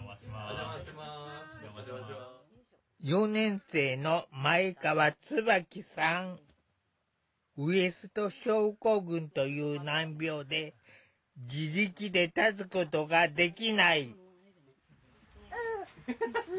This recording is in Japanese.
４年生のウエスト症候群という難病で自力で立つことができない。